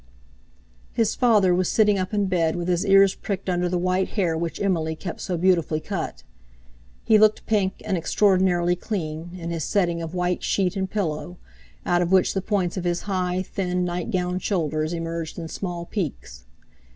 His father was sitting up in bed, with his ears pricked under the white hair which Emily kept so beautifully cut. He looked pink, and extraordinarily clean, in his setting of white sheet and pillow, out of which the points of his high, thin, nightgowned shoulders emerged in small peaks.